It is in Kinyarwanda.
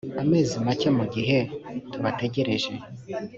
amezi make mu gihe tubategereje